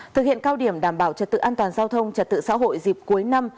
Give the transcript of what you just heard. thực hiện cao điểm đảm bảo trật tự an toàn giao thông trật tự xã hội dịp cuối năm